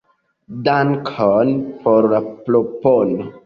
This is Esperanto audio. Dankon por la propono.